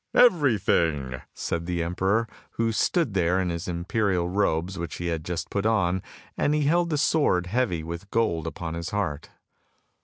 "— "Everything!" said the emperor, who stood there in his imperial robes which he had just put on, and he held the sword heavy with gold upon his heart.